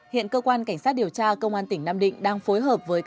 hiện cơ quan cảnh sát điều tra công an tỉnh nam định đang phối hợp với các cơ quan điều tra